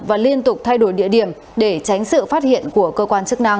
và liên tục thay đổi địa điểm để tránh sự phát hiện của cơ quan chức năng